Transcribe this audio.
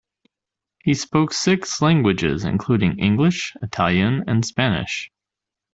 He spoke six languages including English, Italian and Spanish.